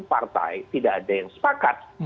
partai tidak ada yang sepakat